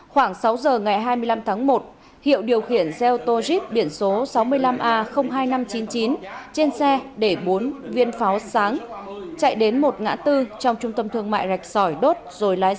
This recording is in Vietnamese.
khoảng sáu giờ ngày hai mươi năm tháng một hiệu điều khiển xe ô tô jeep biển số sáu mươi năm a hai nghìn năm trăm chín mươi chín trên xe để bốn viên pháo sáng chạy đến một ngã tư trong trung tâm thương mại rạch sỏi đốt rồi lái xe